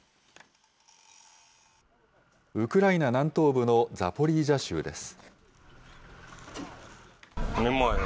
ウクライナ南東部のザポリージャ州です。